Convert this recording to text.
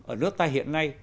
ở nước ta hiện nay